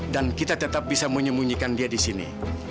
dan kita tetap bisa menyembunyikan dia di sini